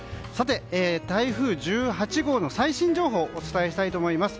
台風１８号の最新情報をお伝えしたいと思います。